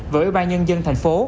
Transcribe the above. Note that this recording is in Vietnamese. và ủy ban nhân dân tp hcm